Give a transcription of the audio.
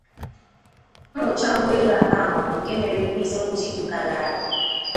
Mwụcha ụgbọelu atọ ahụ bụ nke mere n'isi ngwụcha izuụka gara aga